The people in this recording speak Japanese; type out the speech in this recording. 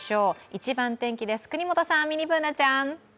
「イチバン天気」です、國本さん、ミニＢｏｏｎａちゃん。